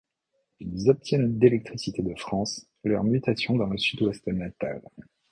Ils obtiennent d'Électricité de France leur mutation dans le Sud-Ouest natal.